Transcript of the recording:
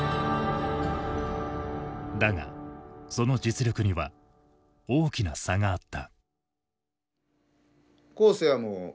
だがその実力には大きな差があった。